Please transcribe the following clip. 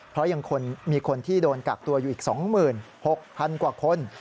เพราะยังมีคนที่โดนกักตัวอยู่อีก๒๖๐๐๐กว่าคน